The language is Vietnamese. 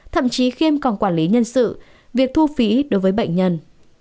thậm chí khiêm còn quản lý nhân sự việc thu phí đối với bệnh nhân